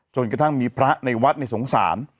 จนกระทั่งมีพระในวัดสงสาร